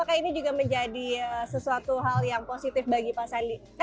apakah ini juga menjadi sesuatu hal yang positif bagi pak sandi